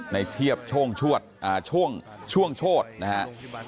เทียบช่วงโชธนะครับ